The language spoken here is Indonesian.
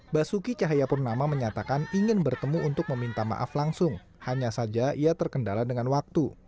basuki cahayapurnama menyatakan ingin bertemu untuk meminta maaf langsung hanya saja ia terkendala dengan waktu